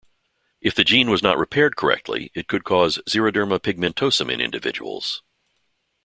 If the gene was not repaired correctly it could cause xeroderma pigmentosum in individuals.